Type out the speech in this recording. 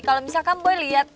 kalau misalkan boy liat